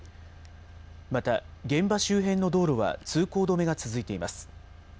また現場周辺の道路は通行止めが続いています。